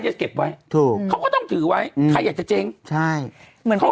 จะเก็บไว้ถูกเขาก็ต้องถือไว้อืมใครอยากจะเจ๊งใช่เหมือนเขา